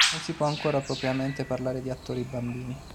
Non si può ancora propriamente parlare di attori bambini.